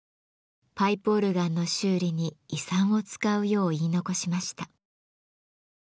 パイプオルガンの修理に遺産を使うよう言い残しました。